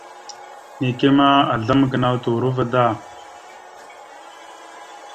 Neke ma, aslam gənaw turova da.